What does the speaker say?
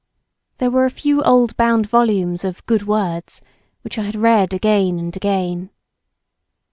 There were a few old bound volumes of Good Words, which I had read again and again.